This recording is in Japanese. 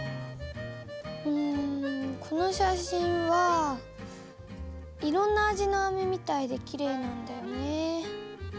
うんこの写真はいろんな味のアメみたいできれいなんだよね。